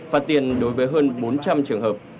phạt tiền đối với hơn bốn trăm linh trường hợp